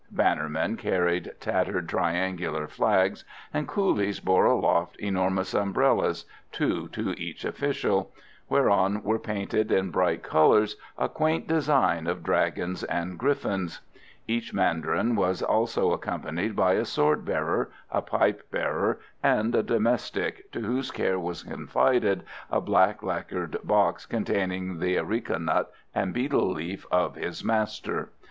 Bannermen carried tattered triangular flags, and coolies bore aloft enormous umbrellas two to each official whereon were painted in bright colours a quaint design of dragons and griffins. Each mandarin was also accompanied by a sword bearer, a pipe bearer, and a domestic to whose care was confided a black lacquered box containing the areca nut and betel leaf of his master.